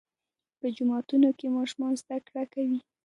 په جوماتونو کې ماشومان زده کړه کوي.